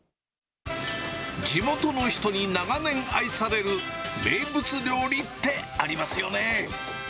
地元の人に長年愛される名物料理ってありますよね。